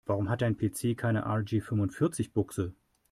Warum hat dein PC keine RJ-fünfundvierzig-Buchse?